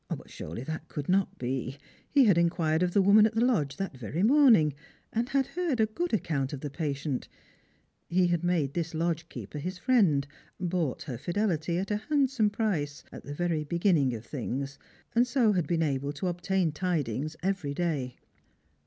But surely that could not be. He had inquired of the woman at the lodge that very morning, and had heard a good account of the patient. He had made this lodge keeper his friend, bought her fidelity at a handsome price, at the very beginning of things, and so had been able to obtaii" tidings every day.